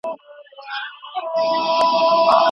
باید د ټولنې د ښه والي لپاره هڅه وکړو.